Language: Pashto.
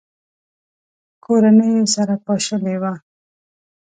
کورنۍ یې سره پاشلې وه.